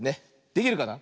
できるかな。